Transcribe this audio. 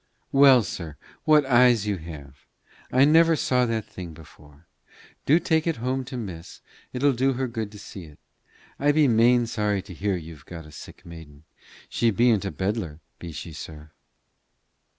"Well, sir, what eyes you have! I never saw the thing before. Do take it home to miss. It'll do her good to see it. I be main sorry to hear you've got a sick maiden. She ben't a bedlar, be she, sir?"